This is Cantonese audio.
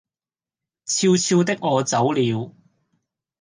悄悄的我走了